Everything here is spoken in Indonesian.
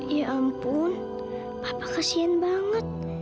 ya ampun papa kasihan banget